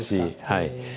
はい。